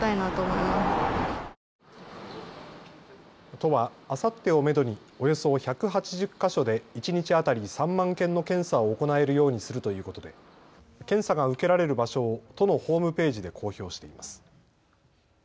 都はあさってをめどにおよそ１８０か所で一日当たり３万件の検査を行えるようにするということで検査が受けられる場所を都のホームページで公表しています。